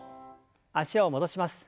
脚を戻します。